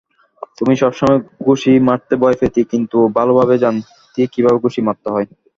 তুই সবসময় ঘুষি মারতে ভয় পেতি, কিন্তু ভালোভাবেই জানতি কীভাবে ঘুষি মারতে হয়।